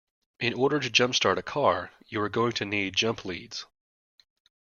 In order to jumpstart a car you are going to need jump leads